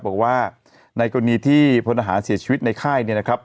บอกว่าในกรณีที่พลทหารเสียชีวิตในค่ายเนี่ยนะครับ